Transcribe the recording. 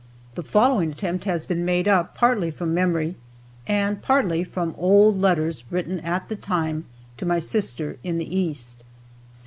The following attempt has been made up partly from memory and partly from old letters written at the time to my sister in the east.